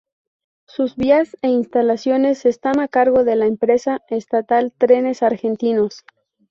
Sus vías e instalaciones están a cargo de la empresa estatal Trenes Argentinos